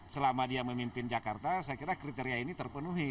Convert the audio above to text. selama dia memimpin jakarta saya kira kriteria ini terpenuhi